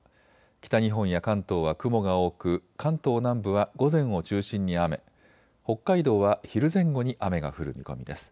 北日本や関東は雲が多く関東南部は午前を中心に雨、北海道は昼前後に雨が降る見込みです。